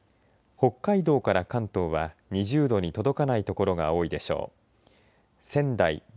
北海道から関東は２０度に届かない所が多いでしょう。